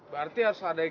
pacar saya pemalu